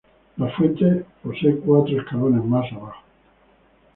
La fuente posee cuatro escalones más abajo.